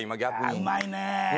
うまいね。